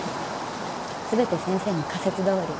全て先生の仮説どおり。